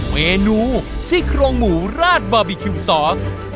เมนูซี่โครงหมูราดบาร์บีคิวซอส